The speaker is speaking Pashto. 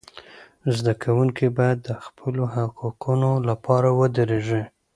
زده کوونکي باید د خپلو حقوقو لپاره ودریږي.